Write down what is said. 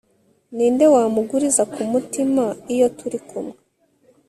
Ninde wamuguriza kumutima iyo turi kumwe